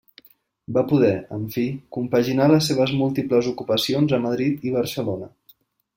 Va poder, en fi, compaginar les seves múltiples ocupacions a Madrid i Barcelona.